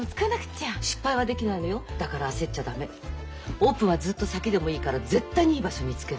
オープンはずっと先でもいいから絶対にいい場所見つけるの。